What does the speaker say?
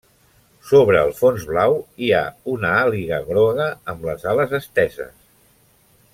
Sobre el fons blau, hi ha una àliga groga amb les ales esteses.